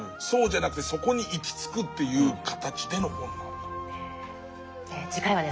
そうじゃなくてそこに行き着くという形での本なんだと。